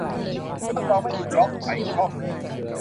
รับรองไม่มีบล็อค ไหลคล่องแน่